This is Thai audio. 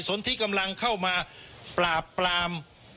สนที่กำลังเข้ามาปราบปราม